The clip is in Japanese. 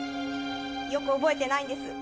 よく覚えてないんです。